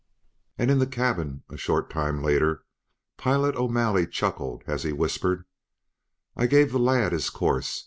And, in the cabin a short time later, Pilot O'Malley chuckled as he whispered: "I gave the lad his course.